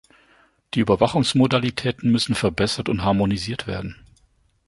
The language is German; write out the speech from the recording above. Die Überwachungsmodalitäten müssen verbessert und harmonisiert werden.